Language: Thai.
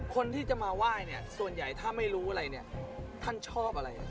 คนที่จะมาไหว้เนี่ยส่วนใหญ่ถ้าไม่รู้อะไรเนี่ยท่านชอบอะไร